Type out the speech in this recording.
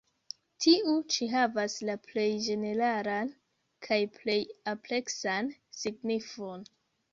Tiu ĉi havas la plej ĝeneralan kaj plej ampleksan signifon.